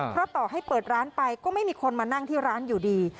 เพราะต่อให้เปิดร้านไปก็ไม่มีคนมานั่งที่ร้านอยู่ดี